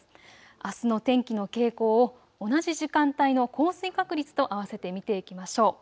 あすの天気の傾向を同じ時間帯の降水確率と合わせて見ていきましょう。